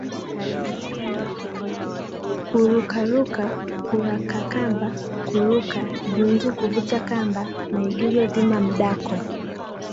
Kurukaruka Kurukakamba kuruka viunzi Kuvuta kamba Maigizo dhima Mdako